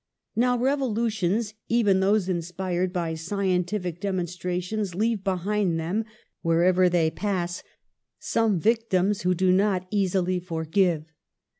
Now revolutions, even those inspired by scientific demonstrations, leave behind them wherever they pass some victims who do not easily for give.